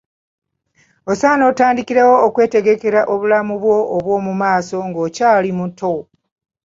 Osaana otandikirewo okwetegekera obulamu bwo obwo mu maaso ng'okyali muto.